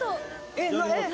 えっ？